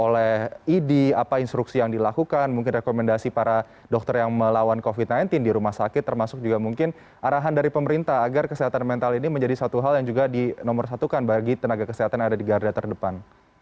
oleh idi apa instruksi yang dilakukan mungkin rekomendasi para dokter yang melawan covid sembilan belas di rumah sakit termasuk juga mungkin arahan dari pemerintah agar kesehatan mental ini menjadi satu hal yang juga dinomorsatukan bagi tenaga kesehatan yang ada di garda terdepan